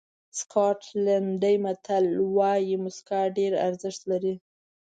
سکاټلېنډي متل وایي موسکا ډېره ارزښت لري.